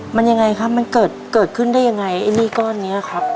มันยังไงครับมันเกิดเกิดขึ้นได้ยังไงไอ้หนี้ก้อนนี้ครับ